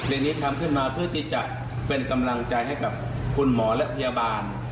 อย่างนี้ทำขึ้นมาเพื่อที่จะเป็นกำลังใจให้กับคุณหมอและพยาบาล